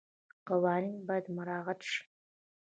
قوانین باید مراعات شي.